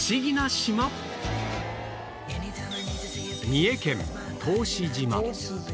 三重県答志島